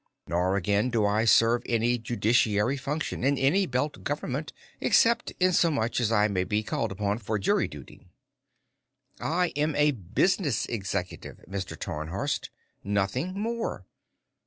Nor, again, do I serve any judiciary function in any Belt government, except inasmuch as I may be called upon for jury duty. "I am a business executive, Mr. Tarnhorst. Nothing more.